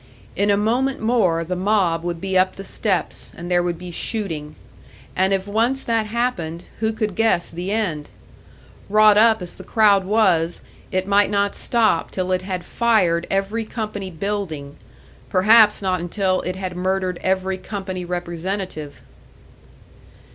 In a moment more the mob would be up the steps, and there would be shooting. And if once that happened, who could guess the end? Wrought up as the crowd was, it might not stop till it had fired every company building, perhaps not until it had murdered every company representative.